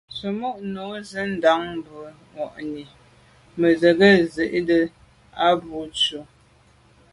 Tsə̀mô' nǔm zí'də́ tɔ̌ bû'ŋwànì mə̀ mə̀ ŋgə́ zí'də́ á bû jû tswì.